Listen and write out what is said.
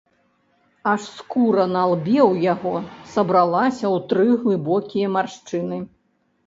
Аж скура на лбе ў яго сабралася ў тры глыбокія маршчыны.